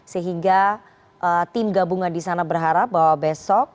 sehingga tim gabungan di sana berharap bahwa besok